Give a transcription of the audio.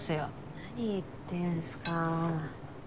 何言ってんすか。